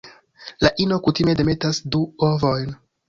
La ino kutime demetas du ovojn.